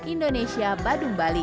indonesia badung bali